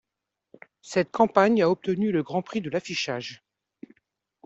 Cette campagne a obtenu le Grand Prix de l'affichage.